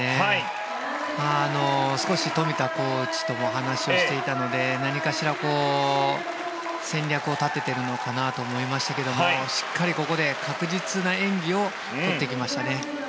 少し冨田コーチとも話をしていたので何かしら戦略を立てているのかなと思いましたけれどしっかりここで確実な演技を取ってきましたね。